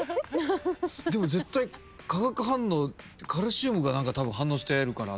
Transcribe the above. でも絶対化学反応カルシウムたぶん反応してるから。